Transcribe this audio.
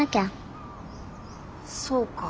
そうか。